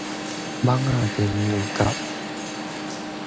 蠓仔叮牛角